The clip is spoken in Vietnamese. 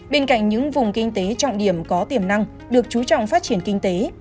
bên cạnh những vùng kinh tế trọng điểm có tiềm năng được chú trọng phát triển kinh tế